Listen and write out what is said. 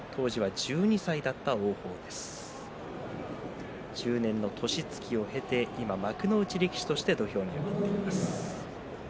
１０年の年月を経て幕内力士として土俵に上がっています。